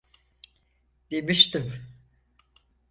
Demiştim.